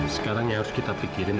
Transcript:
sekarang yang harus kita pikirin